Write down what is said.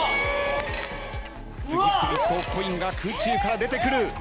次々とコインが空中から出てくる。